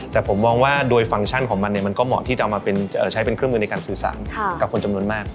แต่ผมมองว่าโดยฟังก์ของมันเนี่ยมันก็เหมาะที่จะเอามาใช้เป็นเครื่องมือในการสื่อสารกับคนจำนวนมาก